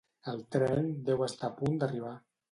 El tren deu estar a punt d'arribar